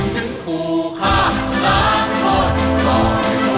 ถึงผู้ค่าล้างพอดีก่อน